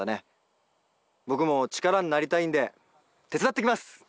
僕も力になりたいんで手伝ってきます！